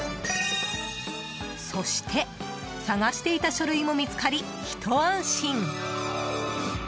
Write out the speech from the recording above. そして探していた書類も見つかりひと安心。